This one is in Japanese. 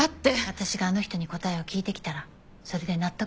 私があの人に答えを聞いてきたらそれで納得？